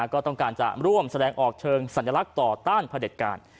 ก็ต้องการจะร่วมแสดงออกเชิงสัญลักษณ์ต่อต้านพระเด็จการ